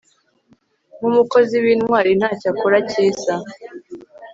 Nkumukozi wintwari ntacyo akora cyiza